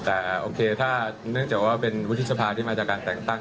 แต่โอเคถ้าเนื่องจากว่าเป็นวุฒิสภาที่มาจากการแต่งตั้ง